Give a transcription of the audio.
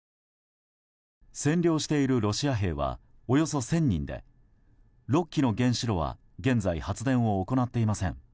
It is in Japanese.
占領しているロシア兵はおよそ１０００人で６基の原子炉は現在発電を行っていません。